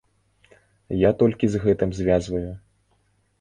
Я толькі з гэтым звязваю.